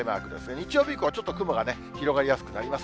日曜日以降はちょっと雲がね、広がりやすくなります。